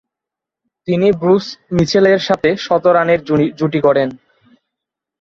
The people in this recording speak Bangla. তিনি ব্রুস মিচেলের সাথে শতরানের জুটি গড়েন।